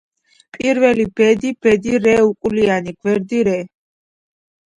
პირველი ბედი ბედი რე უკულიანი – გვერდი რე